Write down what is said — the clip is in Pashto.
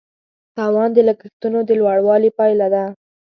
تاوان د لګښتونو د لوړوالي پایله ده.